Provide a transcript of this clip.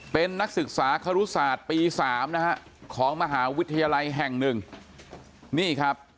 เป็นนักศึกษาครุศาสตร์ปี๓